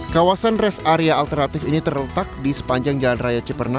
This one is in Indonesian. kawasan rest area alternatif ini terletak di sepanjang jalan raya ciperna